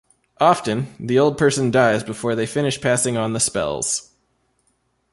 Often, the old person dies before they finish passing on the spells.